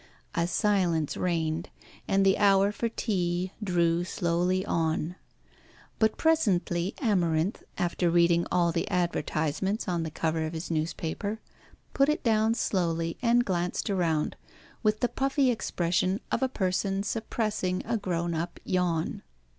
A silence reigned, and the hour for tea drew slowly on. But presently Amarinth, after reading all the advertisements on the cover of his newspaper, put it down slowly and glanced around, with the puffy expression of a person suppressing a grown up yawn.